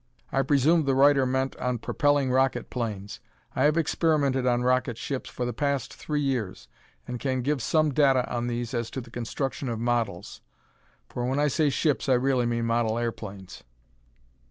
I presume the writer meant on propelling rocket planes. I have experimented on rocket ships for the past three years and can give some data on these as to the construction of models (for when I say ships I really mean model airplanes).